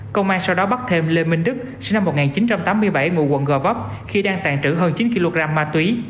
công an sau đó bắt thêm lê minh đức sinh năm một nghìn chín trăm tám mươi bảy ngụ quận gò vấp khi đang tàn trữ hơn chín kg ma túy